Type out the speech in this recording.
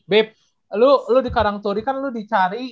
bib lu di karang turi kan lu di cari